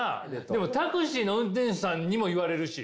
でもタクシーの運転手さんにも言われるし。